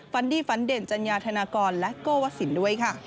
ฝันดีฝันเด่นจัญญาธนากรและโก้วสินด้วยค่ะ